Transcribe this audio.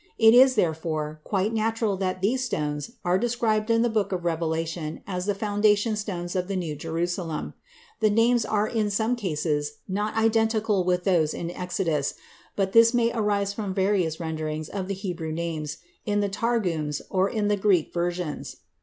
It is, therefore, quite natural that these stones are described in the book of Revelation as the foundation stones of the New Jerusalem. The names are in some cases not identical with those given in Exodus, but this may arise from various renderings of the Hebrew names in the Targums or in the Greek versions.